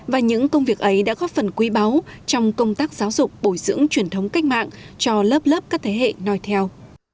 và những công việc ấy đã góp phần quý báu trong công tác giáo dục bồi dưỡng truyền thống cách mạng cho lớp lớp các thế hệ nòi theo